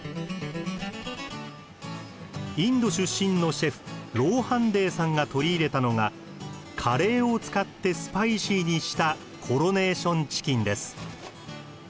インド出身のシェフローハンデーさんが取り入れたのがカレーを使ってスパイシーにしたコロネーションチキンです。